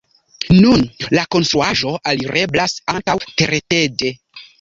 Nun la konstruaĵo alireblas ankaŭ tereteĝe.